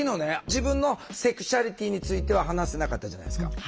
自分のセクシュアリティーについては話せなかったじゃないですか。